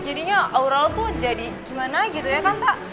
jadinya aura lo tuh jadi gimana gitu ya kan ta